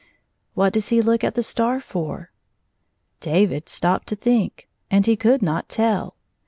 " What does he look at the star for ?" David stopped to think — and he could not tell.